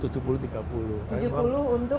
tujuh puluh untuk penumpang